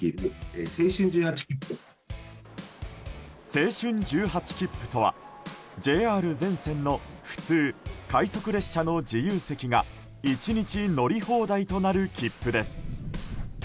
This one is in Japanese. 青春１８きっぷとはＪＲ全線の普通・快速列車の自由席が１日乗り放題となる切符です。